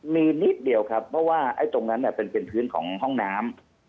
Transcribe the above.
มีนิดเดียวครับเพราะว่าตรงนั้นเป็นพื้นของห้องน้ำ